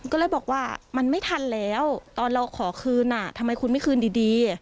ก็เลยบอกว่ามันไม่ทันแล้วตอนเราขอคืนทำไมคุณไม่คืนดี